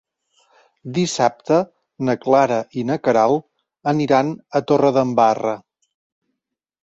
Dissabte na Clara i na Queralt aniran a Torredembarra.